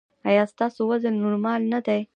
ایا ستاسو وزن نورمال نه دی؟